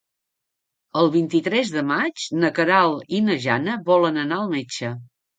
El vint-i-tres de maig na Queralt i na Jana volen anar al metge.